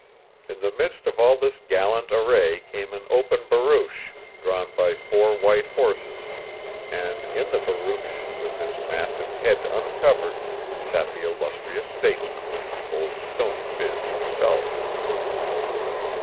In the midst of all this gallant array came an open barouche, drawn by four white horses; and in the barouche, with his massive head uncovered, sat the illustrious statesman, Old Stony Phiz himself.